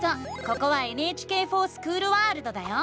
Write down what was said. ここは「ＮＨＫｆｏｒＳｃｈｏｏｌワールド」だよ！